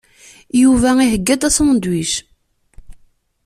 Yuba iheyya-d asandwič.